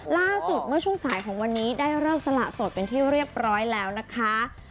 ล่าสุดเมื่อช่วงสายของวันนี้ได้เลิกสละสดเป็นที่เรียบร้อยแล้วนะคะ